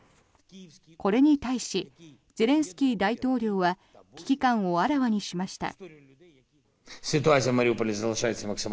これに対しゼレンスキー大統領は危機感をあらわにしました。